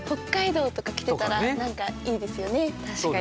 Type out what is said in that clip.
確かに。